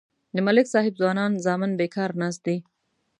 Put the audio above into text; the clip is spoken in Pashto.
د ملک صاحب ځوانان زامن بیکار ناست دي.